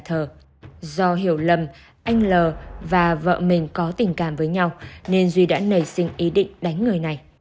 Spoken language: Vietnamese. thờ do hiểu lầm anh l và vợ mình có tình cảm với nhau nên duy đã nảy sinh ý định đánh người này